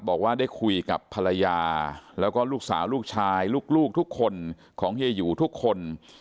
บอกว่าได้คุยกับภรรยาแล้วก็ลูกสาวลูกชายลูกทุกคนของเฮียหยูทุกคน